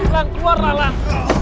lang keluar lah lang